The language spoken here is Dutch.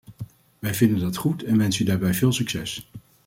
Wij vinden dat goed en wensen u daarbij veel succes.